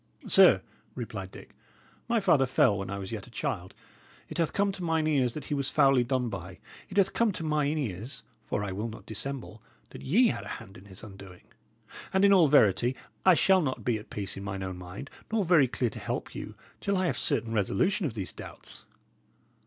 "Sir," replied Dick, "my father fell when I was yet a child. It hath come to mine ears that he was foully done by. It hath come to mine ears for I will not dissemble that ye had a hand in his undoing. And in all verity, I shall not be at peace in mine own mind, nor very clear to help you, till I have certain resolution of these doubts."